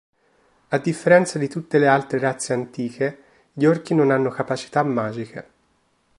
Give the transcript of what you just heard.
A differenza di tutte le altre razze antiche, gli orchi non hanno capacità magiche.